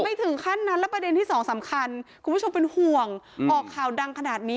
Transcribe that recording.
ไม่ถึงขั้นนั้นแล้วประเด็นที่สองสำคัญคุณผู้ชมเป็นห่วงออกข่าวดังขนาดนี้